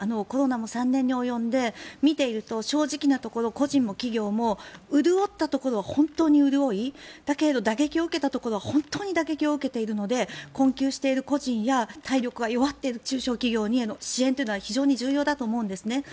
コロナも３年に及んで見ていると正直なところ、個人も企業も潤ったところは本当に潤いだけれど打撃を受けたところは本当に打撃を受けているので困窮している個人や体力が弱っている中小企業に支援というのは非常に重要だと思うんですね。